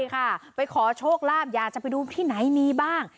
ใช่ค่ะไปขอโชคลาภอยากจะไปดูที่ไหนมีบ้าง